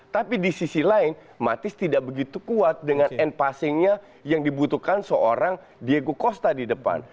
tapi di sisi lain matis tidak begitu kuat dengan end passingnya yang dibutuhkan seorang diego costa di depan